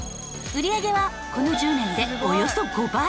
売り上げはこの１０年でおよそ５倍。